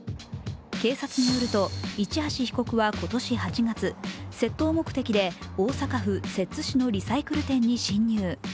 警察によると、市橋被告は今年８月、窃盗目的で大阪府摂津市のリサイクル店に侵入。